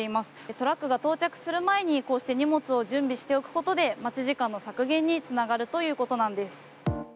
トラックが到着する前にこうして荷物を準備しておくことで待ち時間の削減につながるということなんです。